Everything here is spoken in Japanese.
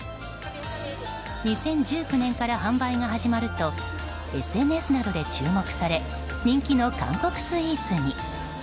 ２０１９年から販売が始まるとＳＮＳなどで注目され人気の韓国スイーツに。